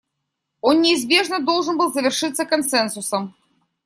Он неизбежно должен был завершиться консенсусом.